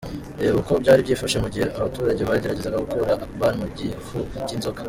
Reba uko byari byifashe mu gihe abaturage bageragezaga gukura Akbar mu gifu cy'inzoka .